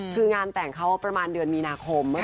คืองานแต่งเขาประมาณเดือนมีนาคม